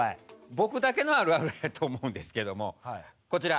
僕だけのあるあるやと思うんですけどもこちら。